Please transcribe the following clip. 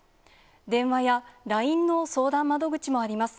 電話やＬＩＮＥの相談窓口もあります。